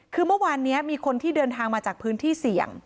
คือเมื่อวานนี้มีคนที่เดินทางมาจากพื้นที่เสี่ยง